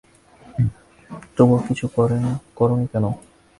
তবুও কিছু করো নি কেন?